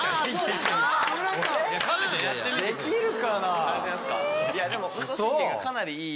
できるかなぁ。